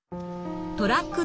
トラック